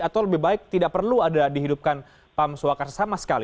atau lebih baik tidak perlu ada dihidupkan pam suakar sama sekali